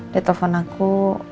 di telpon aku